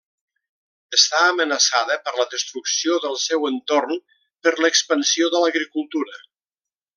Està amenaçada per la destrucció del seu entorn per l'expansió de l'agricultura.